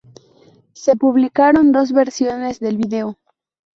Se publicaron dos versiones del vídeo.